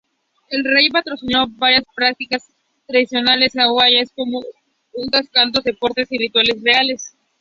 El rey patrocinó varias prácticas tradicionales hawaianas como hula, cantos, deportes y rituales reales.